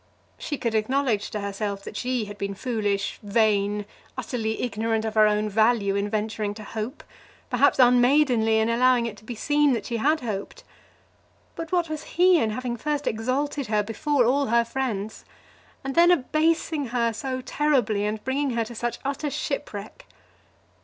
She could acknowledge to herself that she had been foolish, vain, utterly ignorant of her own value in venturing to hope; perhaps unmaidenly in allowing it to be seen that she had hoped; but what was he in having first exalted her before all her friends, and then abasing her so terribly and bringing her to such utter shipwreck?